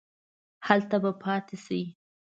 هلته به پاتې شې.